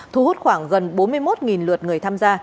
thu hút khoảng gần bốn mươi một lượt người tham gia